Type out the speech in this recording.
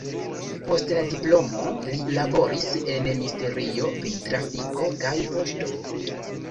Post la diplomo li laboris en ministerio pri trafiko kaj poŝto.